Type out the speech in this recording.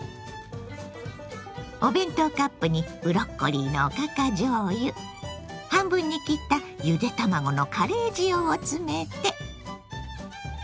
お弁当カップにブロッコリーのおかかじょうゆ半分に切ったゆで卵のカレー塩を詰めて。